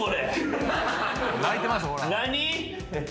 何？